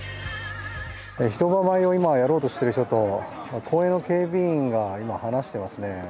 広場舞をしようとしている人と公園の警備員が今、話していますね